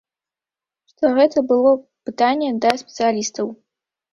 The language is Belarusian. Што гэта было, пытанне да спецыялістаў.